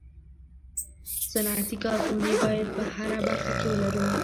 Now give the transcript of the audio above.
صنعتي کارخوني باید په هره برخه کي ولرو